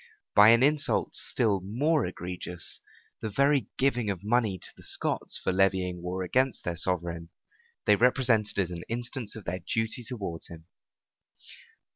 By an insult still more egregious, the very giving of money to the Scots for levying war against their sovereign, they represented as an instance of their duty towards him.